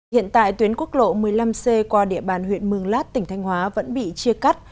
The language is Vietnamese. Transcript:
hiện tại tuyến quốc lộ một mươi năm c qua địa bàn huyện mường lát tỉnh thanh hóa vẫn bị chia cắt